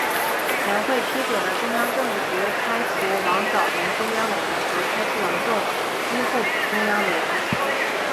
全会批准了中央政治局开除王藻文中央委员和开除王仲一候补中央委员的决定。